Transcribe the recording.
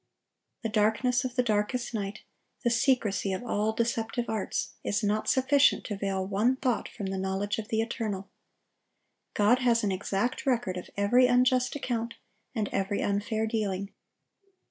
The darkness of the darkest night, the secrecy of all deceptive arts, is not sufficient to veil one thought from the knowledge of the Eternal. God has an exact record of every unjust account and every unfair dealing.